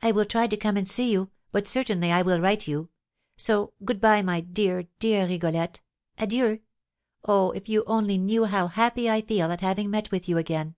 "I will try to come and see you, but certainly I will write you. So good bye, my dear, dear Rigolette! Adieu! Oh, if you only knew how happy I feel at having met with you again!"